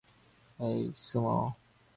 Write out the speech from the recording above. এই, সুমো!